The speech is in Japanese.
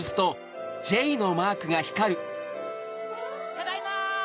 ただいま！